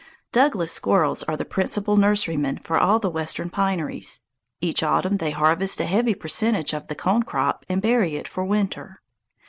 Douglas squirrels are the principal nurserymen for all the Western pineries. Each autumn they harvest a heavy percentage of the cone crop and bury it for winter.